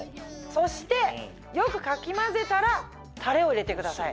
そしてよくかき混ぜたらたれを入れてください。